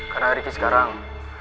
karena ricky sekarang